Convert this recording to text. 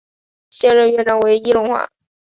现任院长为易荣华。